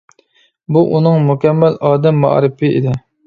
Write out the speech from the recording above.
بۇ ئۇنىڭ «مۇكەممەل ئادەم مائارىپى» ئىدى.